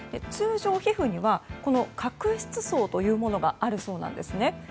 通常皮膚には角質層というものがあるそうなんですね。